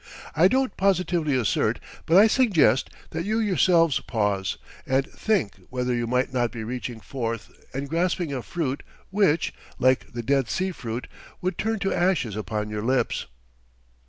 I don't positively assert, but I suggest that you yourselves pause, and think whether you might not be reaching forth and grasping a fruit which, like the dead sea fruit, would turn to ashes upon your lips."